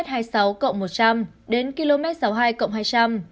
điều lượng trung bình là một trăm linh đến km sáu mươi hai cộng hai trăm linh